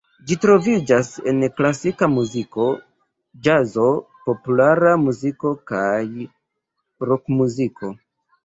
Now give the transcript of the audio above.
Ĝi troviĝas en klasika muziko, ĵazo, populara muziko kaj rokmuziko.